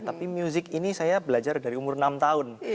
tapi music ini saya belajar dari umur enam tahun